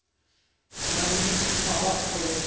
ちなみに今はここです。